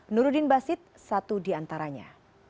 nuruddin basit satu di antaranya